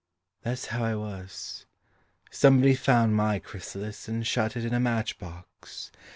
That's how I was. Somebody found my chrysalis And shut it in a match box.